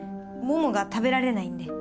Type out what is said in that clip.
桃が食べられないんで。